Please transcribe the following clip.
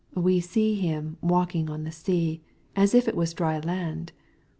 We see Him " walking on the sea," as if it was dry land.